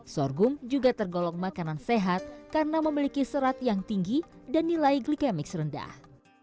sorghum juga tergolong makanan sehat karena memiliki serat yang tinggi dan nilai glikemik serendah